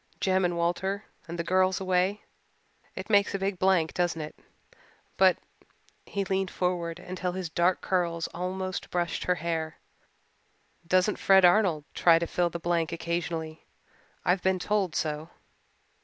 "Jem and Walter and the girls away it makes a big blank, doesn't it? But " he leaned forward until his dark curls almost brushed her hair "doesn't Fred Arnold try to fill the blank occasionally. I've been told so."